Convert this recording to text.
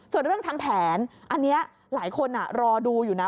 ส่วนเรื่องทำแผนอันนี้หลายคนรอดูอยู่นะ